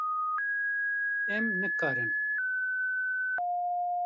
Em nikarin.